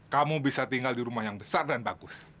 kamu bisa tinggal di rumah yang besar dan bagus